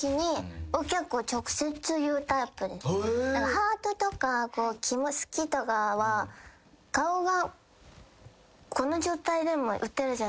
ハートとか好きとかは顔がこの状態でも打てるじゃないですか。